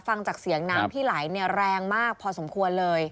ฟังจากเสียงน้ำที่ไหลแรงมากพอสมควรเลย